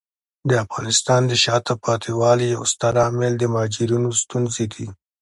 د افغانستان د شاته پاتې والي یو ستر عامل د مهاجرینو ستونزې دي.